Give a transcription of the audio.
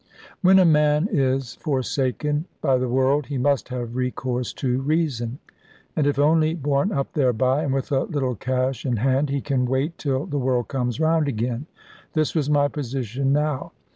When a man is forsaken by the world, he must have recourse to reason. And if only borne up thereby, and with a little cash in hand, he can wait till the world comes round again. This was my position now.